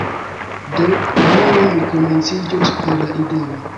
Do, unue mi komenciĝos per la ideo